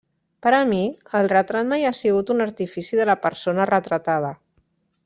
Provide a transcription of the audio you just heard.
Per a mi, el retrat mai ha sigut un artifici de la persona retratada.